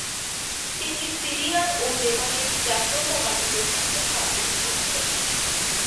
তিনি সিরিয়ান ও লেবানিজ জাতীয়তাবাদিদের সাথে কাজ শুরু করেছিলেন।